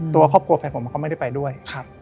ตัวครอบครัวแฟนผมก็ไม่ได้ไปด้วย